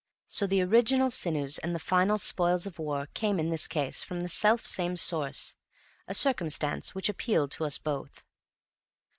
So the original sinews and the final spoils of war came in this case from the self same source a circumstance which appealed to us both.